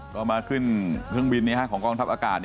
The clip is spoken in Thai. ก็มาขึ้นเครื่องบินของกองทัพอากาศ